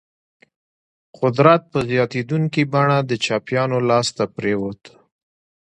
قدرت په زیاتېدونکي بڼه د چپیانو لاس ته پرېوت.